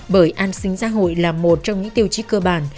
bởi an sinh xã hội là một trong những tiêu chí cơ bản